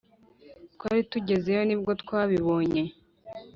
twari tujyezeyo nibwo twabibonye